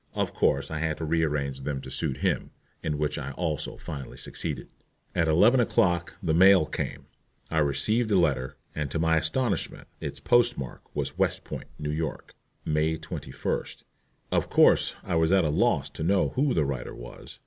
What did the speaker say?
Of course I had to rearrange them to suit him, in which I also finally succeeded. At eleven o'clock the mail came. I received a letter, and to my astonishment its postmark was "West Point, N. Y., May 21st." Of course I was at a loss to know who the writer was.